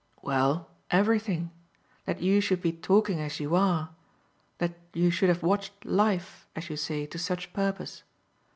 "Well, everything. That you should be talking as you are that you should have 'watched life,' as you say, to such purpose.